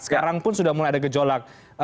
sekarang pun sudah mulai ada gejolak